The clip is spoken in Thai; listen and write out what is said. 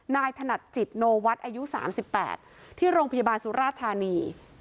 นายถนัดจิตโนวัฒน์อายุสามสิบแปดที่โรงพยาบาลสุราธานี